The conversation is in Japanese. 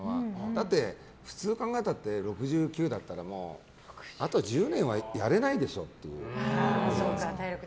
だって普通考えたって６９だったらもうあと１０年はやれないでしょっていう。